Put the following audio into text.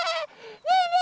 ねえねえ